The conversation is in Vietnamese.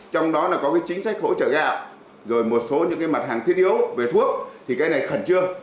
trong đó có chính sách hỗ trợ gạo rồi một số mặt hàng thiết yếu về thuốc thì cái này khẩn trương